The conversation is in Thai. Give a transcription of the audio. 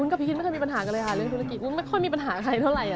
กับพี่คิดไม่เคยมีปัญหากันเลยค่ะเรื่องธุรกิจไม่ค่อยมีปัญหาใครเท่าไหร่